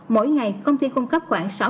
mỗi ngày công ty cung cấp khoảng sáu trăm linh